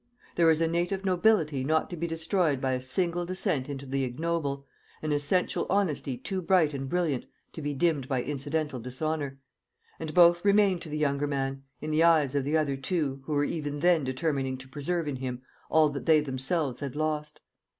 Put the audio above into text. There is a native nobility not to be destroyed by a single descent into the ignoble, an essential honesty too bright and brilliant to be dimmed by incidental dishonour; and both remained to the younger man, in the eyes of the other two, who were even then determining to preserve in him all that they themselves had lost.